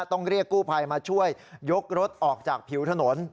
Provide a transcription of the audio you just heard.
ต้องเรียกกู้ภัยมาช่วยยกรถออกจากผิวถนน